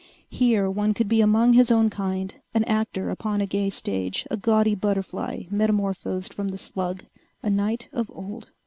Here one could be among his own kind, an actor upon a gay stage, a gaudy butterfly metamorphosed from the slug, a knight of old.